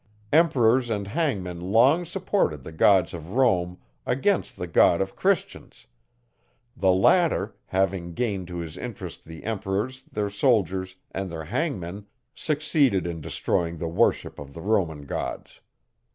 _ Emperors and hangmen long supported the gods of Rome against the God of Christians; the latter, having gained to his interest the emperors, their soldiers, and their hangmen, succeeded in destroying the worship of the Roman gods.